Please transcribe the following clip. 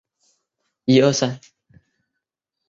附有夜视瞄准镜导轨的型号。